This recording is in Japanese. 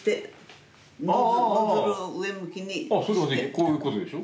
こういうことでしょ？